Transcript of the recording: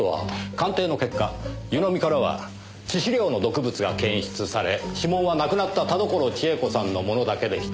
鑑定の結果湯飲みからは致死量の毒物が検出され指紋は亡くなった田所千枝子さんのものだけでした。